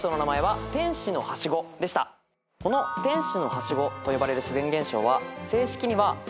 この天使のはしごと呼ばれる自然現象は。